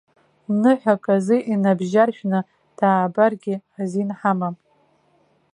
Ныҳәак азы инабжьаршәны даабаргьы азин ҳамам.